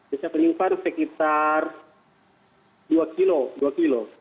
desa penyimpan sekitar dua kg